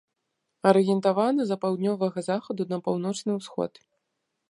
Арыентавана за паўднёвага захаду на паўночны усход.